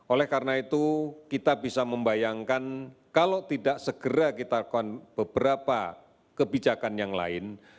oleh karena itu kita bisa membayangkan kalau tidak segera kita lakukan beberapa kebijakan yang lain